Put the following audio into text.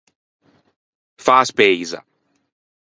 Fâ a speisa.